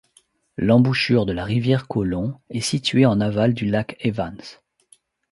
L'embouchure de la rivière Colomb est situé en aval du lac Evans.